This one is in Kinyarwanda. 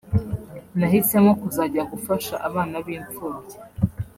Nahisemo kuzajya gufasha abana b’imfubyi